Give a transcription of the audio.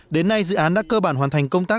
đến nay dự án đã cơ bản hoàn thành công tác